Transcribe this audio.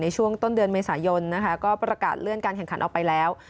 ช่วงต้นเดือนเมษายนนะคะก็ประกาศเลื่อนการแข่งขันออกไปแล้ว